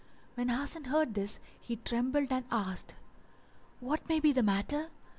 When Hasan heard this he trembled and asked, "What may be the matter?